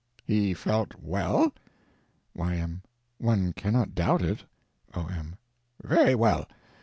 He felt well? Y.M. One cannot doubt it. O.M. Very well.